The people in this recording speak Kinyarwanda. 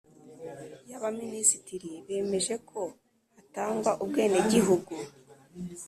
y Abaminisitiri bemeje ko hatangwa ubwenegihugu